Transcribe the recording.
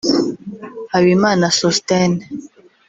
Habimana Sosthène